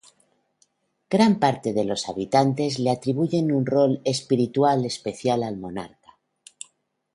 Gran parte de los habitantes le atribuyen un rol espiritual especial al monarca.